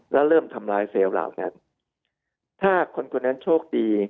แล้วเริ่มทำร้ายเซลล์เหล่านั้นถ้าคนคนนั้นโชคดี